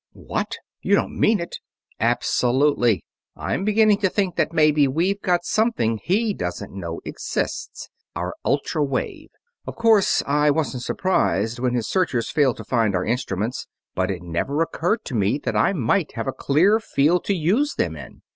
"What? You don't mean it!" "Absolutely. I'm beginning to think that maybe we've got something he doesn't know exists our ultra wave. Of course I wasn't surprised when his searchers failed to find our instruments, but it never occurred to me that I might have a clear field to use them in!